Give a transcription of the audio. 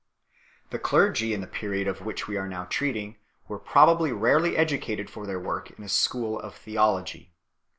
The clergy in the period of which we are now treating were probably rarely educated for their work in a school of theology 3